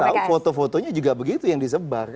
yang saya tahu foto fotonya juga begitu yang disebarkan